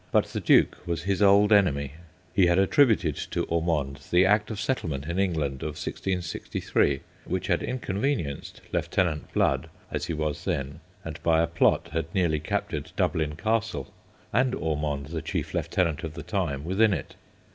But the Duke was his old enemy ; he had attributed to Ormonde the Act of Settle ment in England of 1663 which had in convenienced Lieutenant Blood, as he was then, and by a plot had nearly captured Dublin Castle, and Ormonde, the Lord Lieu tenant of the time, within it.